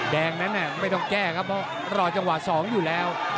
แดงนั้นไม่ต้องแก้ครับเพราะรอจังหวะ๒อยู่แล้ว